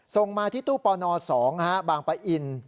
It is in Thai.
ส่งมาที่ตู้ปน๒บางปะอิน